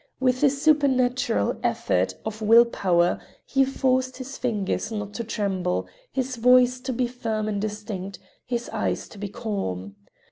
With a supernatural effort of will power he forced his fingers not to tremble, his voice to be firm and distinct, his eyes to be calm.